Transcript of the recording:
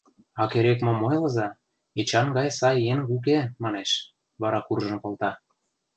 — А керек-мом ойлыза, Эчан гай сай еҥ уке, — манеш, вара куржын колта.